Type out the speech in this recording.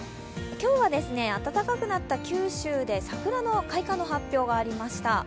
今日は暖かくなった九州で桜の開花の発表がありました。